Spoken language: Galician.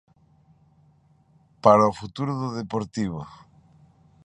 Para o futuro do Deportivo.